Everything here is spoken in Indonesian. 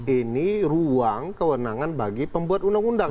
ini ruang kewenangan bagi pembuat undang undang